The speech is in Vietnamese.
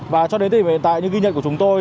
và cho đến đến hiện tại những ghi nhận của chúng tôi